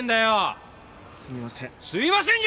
すいません。